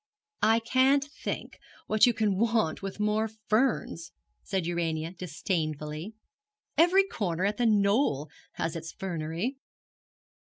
'I can't think what you can want with more ferns,' said Urania, disdainfully; 'every corner at The Knoll has its fernery.'